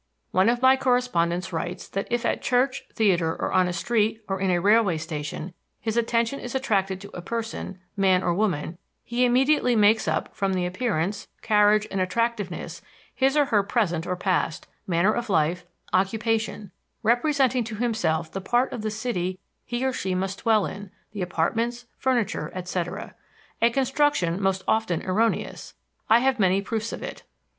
One of my correspondents writes that if at church, theatre, on a street, or in a railway station, his attention is attracted to a person man or woman he immediately makes up, from the appearance, carriage and attractiveness his or her present or past, manner of life, occupation representing to himself the part of the city he or she must dwell in, the apartments, furniture, etc. a construction most often erroneous; I have many proofs of it.